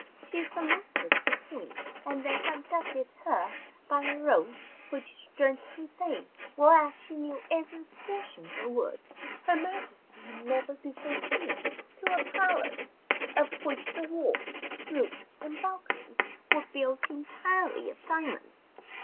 She saluted the queen, and then conducted her by a road which, strange to say, well as she knew every portion of the wood, her majesty had never before seen, to a palace of which the walls, roofs, and balconies were built entirely of diamonds.